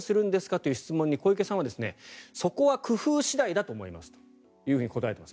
という質問に小池さんは、そこは工夫次第だと思いますと答えています。